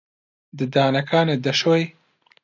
ددانەکانت دەشۆی؟